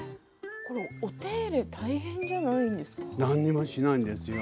お手入れ大変じゃないんですか。